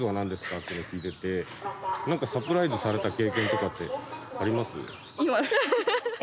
っていうの聞いてて何かサプライズされた経験とかってあります？